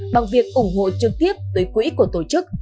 bằng việc ủng hộ trực tiếp tới quỹ của tổ chức